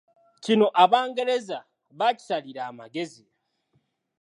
Kino Abangereza baakisalira amagezi.